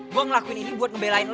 gue ngelakuin ini buat ngebelain lo